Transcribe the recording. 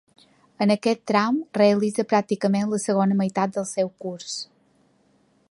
En aquest tram realitza pràcticament la segona meitat del seu curs.